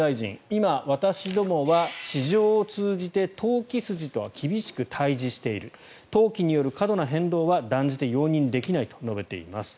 今、私どもは市場を通じて投機筋と厳しく対峙している投機による過度な変動は断じて容認できないと述べています。